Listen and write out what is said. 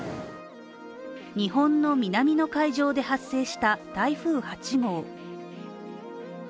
日本の南の海上で発生した台風８号。